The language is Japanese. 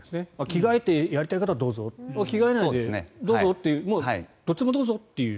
着替えてやりたい方はどうぞ着替えないでどうぞってどっちでもどうぞという。